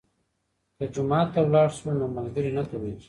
که جومات ته لاړ شو نو ملګري نه کمیږي.